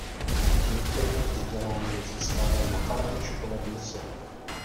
Nejprve vzdělání získával na farní škole v Nise.